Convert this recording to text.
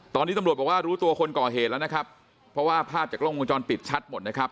ตอนนี้ตำรวจบอกว่ารู้ตัวคนก่อเหตุแล้วนะครับเพราะว่าภาพจากกล้องวงจรปิดชัดหมดนะครับ